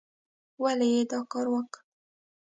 ولې یې دا کار وکه؟